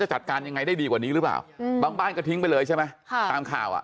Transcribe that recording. จัดการยังไงได้ดีกว่านี้หรือเปล่าบางบ้านก็ทิ้งไปเลยใช่ไหมค่ะตามข่าวอ่ะ